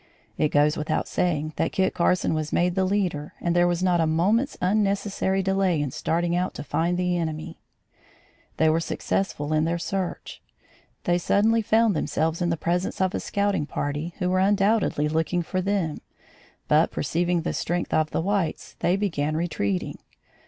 It goes without saying, that Kit Carson was made the leader and there was not a moment's unnecessary delay in starting out to find the enemy. They were successful in their search. They suddenly found themselves in the presence of a scouting party, who were undoubtedly looking for them; but perceiving the strength of the whites, they began retreating.